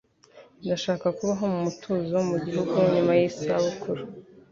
Ndashaka kubaho mu mutuzo mu gihugu nyuma yizabukuru